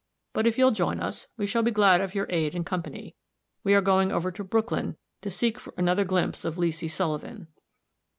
But if you'll join us, we shall be glad of your aid and company. We are going over to Brooklyn, to seek for another glimpse of Leesy Sullivan."